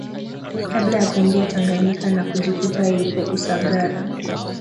Kabla ya kuingia Tanganyika na kujikuta yupo Usagara